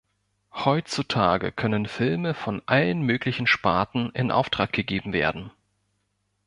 Heutzutage können Filme von allen möglichen Sparten in Auftrag gegeben werden.